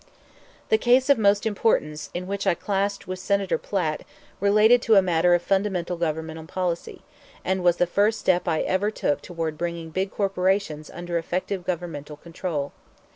The case of most importance in which I clashed with Senator Platt related to a matter of fundamental governmental policy, and was the first step I ever took toward bringing big corporations under effective governmental control.